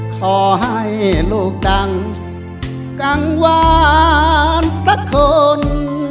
ขอให้ลูกดังกังวานสักคน